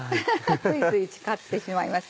ついつい使ってしまいますけど。